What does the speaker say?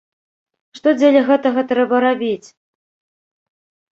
Што дзеля гэтага трэба рабіць?